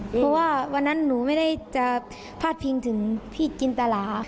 เพราะว่าวันนั้นหนูไม่ได้จะพาดพิงถึงพี่จินตรา